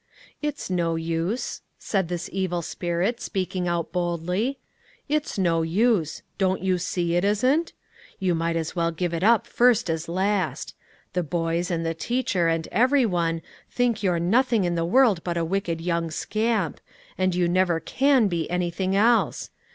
"It's no use," said this evil spirit, speaking out boldly, "it's no use; don't you see it isn't? You might as well give it up first as last; the boys, and the teacher, and every one, think you're nothing in the world but a wicked young scamp, and you never can be anything else.